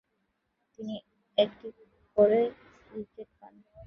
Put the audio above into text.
তিনি একটি করে উইকেট পান।